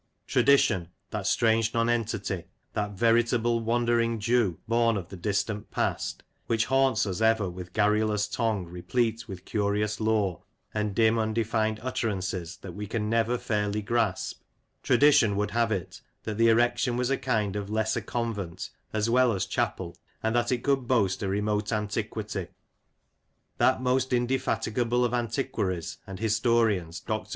Tradition, that strange nonentity — that veritable "wander ing Jew" born of the distant past, which haUnts us ever with garrulous tongue replete with curious lore and dim undefined utterances that we can never fairly grasp — Tradition would have it that the erection was a kind of lesser convent as well as chapel, and that it could boast a remote antiquity. That most indefatigable of antiquaries and historians. Dr.